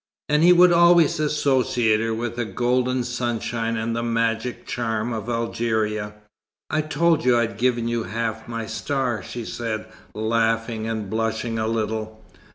And he would always associate her with the golden sunshine and the magic charm of Algeria. "I told you I'd given you half my star," she said, laughing and blushing a little.